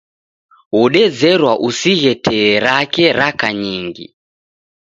Wodezerwa usighe tee rake raka nyingi.